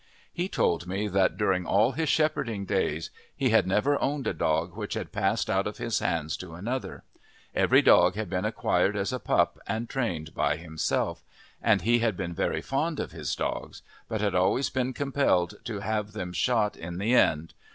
He told me that during all his shepherding years he had never owned a dog which had passed out of his hands to another; every dog had been acquired as a pup and trained by himself; and he had been very fond of his dogs, but had always been compelled to have them shot in the end.